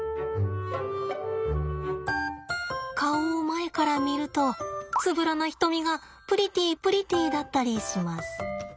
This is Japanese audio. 顔を前から見るとつぶらな瞳がプリティープリティーだったりします。